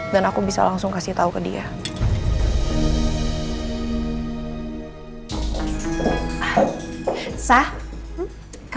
dan aku bisa langsung kasih tau ke dia